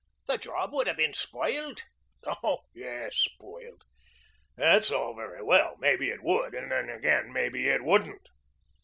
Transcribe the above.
The job would have been spoiled." "Hoh, yes, spoiled. That's all very well. Maybe it would, and then, again, maybe it wouldn't."